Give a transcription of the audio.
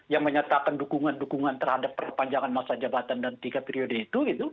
yang menyatakan dukungan dukungan terhadap perpanjangan masa jabatan dan tiga periode itu